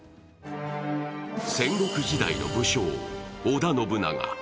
戦国時代の武将、織田信長。